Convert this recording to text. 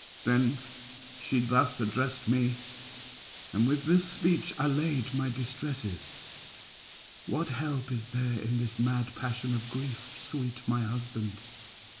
Then she thus addressed me, and with this speech allayed my distresses: "What help is there in this mad passion of grief, sweet my husband?